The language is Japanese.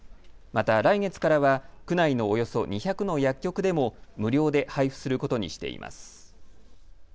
また来月からは区内のおよそ２００の薬局でも無料で配布することにしています。